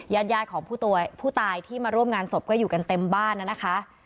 ยาดยายของผู้ตวยผู้ตายที่มาร่วมงานศพก็อยู่กันเต็มบ้านน่ะนะคะ